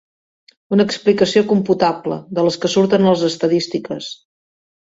Una explicació computable, de les que surten a les estadístiques.